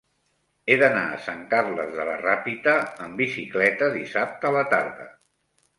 He d'anar a Sant Carles de la Ràpita amb bicicleta dissabte a la tarda.